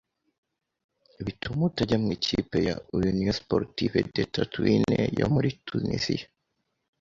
bituma atajya mu ikipe ya Union Sportive de Tataouine yo muri Tuniziya